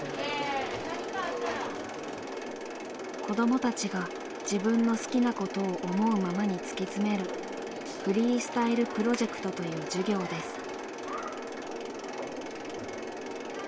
子どもたちが自分の好きなことを思うままに突き詰める「フリースタイルプロジェクト」という授業です。